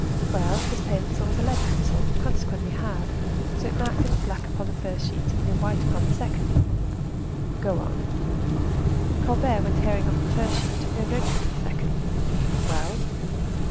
"Well, this pencil was a lead pencil, consequently hard; so, it marked in black upon the first sheet, and in white upon the second." "Go on." "Colbert, when tearing off the first sheet, took no notice of the second." "Well?"